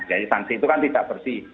sanksi itu kan tidak bersih